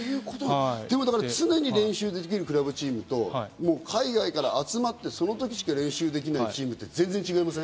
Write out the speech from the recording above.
常に練習できるクラブチームと、海外から集まって、その時しか練習できないチームと全然違いません？